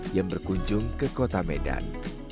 yang berkunjung ke kota medan